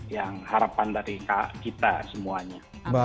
yang harapan dari kita semuanya